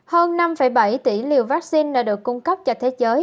hơn năm bảy tỷ liều vaccine đã được cung cấp cho thế giới